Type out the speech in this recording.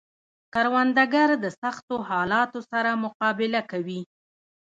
کروندګر د سختو حالاتو سره مقابله کوي